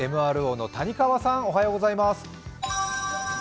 ＭＲＯの谷川さん、おはようございます。